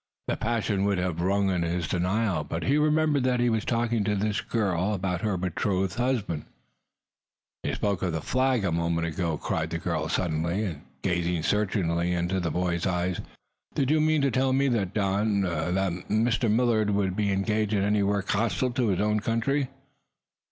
The passion would have rung in his denial, but he remembered that he was talking to this girl about her betrothed husband. "You spoke of the Flag a moment ago," cried the girl, suddenly, and gazing searchingly into the boy's eyes. "Do you mean to tell me that Don that Mr. Millard would be engaged in any work hostile to his own country?"